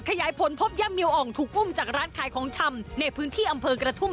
ขยายผลพบย่าเมียวอ่องถูกอุ้มจากร้านขายของชำในพื้นที่อำเภอกระทุ่ม